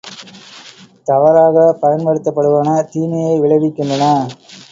தவறாகப் பயன்படுத்தப்படுவன தீமையை விளைவிக்கின்றன.